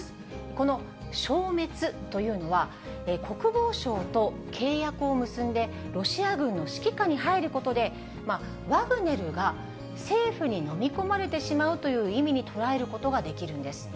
この消滅というのは、国防省と契約を結んで、ロシア軍の指揮下に入ることで、ワグネルが政府に飲み込まれてしまうという意味に捉えることができるんです。